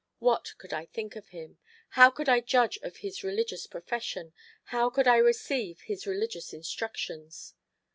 What could I think of him? How could I judge of his religious profession? How could I receive his religious instructions?